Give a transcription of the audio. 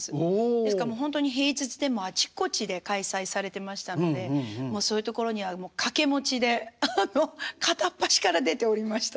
ですからほんとに平日でもあちこちで開催されてましたのでそういうところには掛け持ちで片っ端から出ておりました。